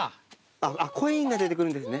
コインが出てくるんですね。